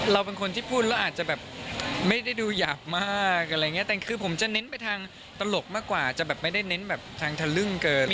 เราเป็นคนที่พูดแล้วอาจจะแบบไม่ได้ดูหยาบมากอะไรอย่างเงี้แต่คือผมจะเน้นไปทางตลกมากกว่าจะแบบไม่ได้เน้นแบบทางทะลึ่งเกิน